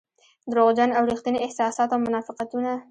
دروغجن او رښتيني احساسات او منافقتونه.